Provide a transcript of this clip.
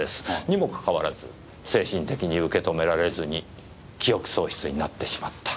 にもかかわらず精神的に受け止められずに記憶喪失になってしまった。